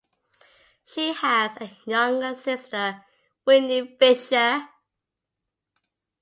She has a younger sister, Whitney Fisher.